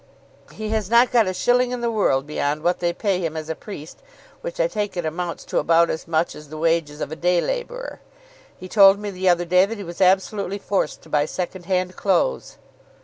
He has not got a shilling in the world beyond what they pay him as a priest, which I take it amounts to about as much as the wages of a day labourer. He told me the other day that he was absolutely forced to buy second hand clothes."